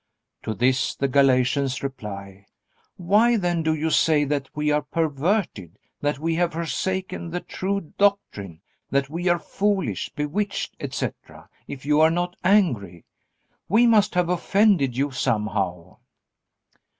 To this the Galatians reply: "Why, then, do you say that we are perverted, that we have forsaken the true doctrine, that we are foolish, bewitched, etc., if you are not angry? We must have offended you somehow."